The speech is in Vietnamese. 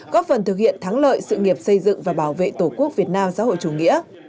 góp phần thực hiện thắng lợi sự nghiệp xây dựng và bảo vệ tổ quốc việt nam xã hội chủ nghĩa